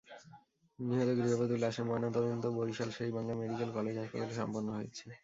নিহত গৃহবধূর লাশের ময়নাতদন্ত বরিশাল শের-ই-বাংলা মেডিকেল কলেজ হাসপাতালে সম্পন্ন হয়েছে।